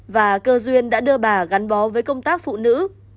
và cơ duyên đã đưa bà gắn bó với công tác phụ nữ